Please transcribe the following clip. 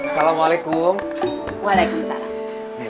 assalamualaikum waalaikumsalam nenek apa kabar